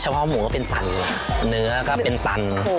เพาะหมูก็เป็นตันเนื้อก็เป็นตัน